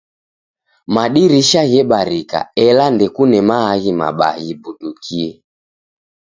Madirisha ghebarika, ela ndekune maaghi mabaa ghibudukie